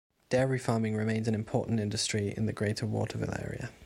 Dairy farming remains an important industry in the greater Waterville area.